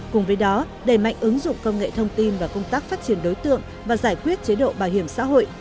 cùng với đó đẩy mạnh ứng dụng công nghệ thông tin và công tác phát triển đối tượng và giải quyết chế độ bảo hiểm xã hội